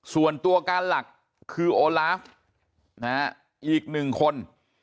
ส่วนตัวการหลักคือโอลาฟอีก๑คน